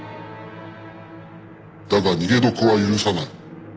だが逃げ得は許さない。